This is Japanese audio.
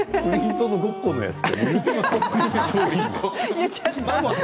プリントのごっこのやつ。